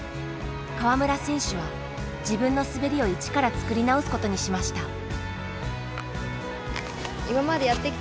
川村選手は自分の滑りを一から作り直すことにしました。